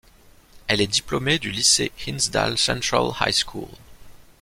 Elle est diplômée du lycée Hinsdale Central High School.